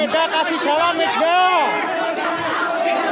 tolong media kasih jalan media